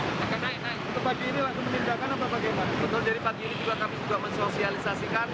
jadi pagi ini juga kami sudah mensosialisasikan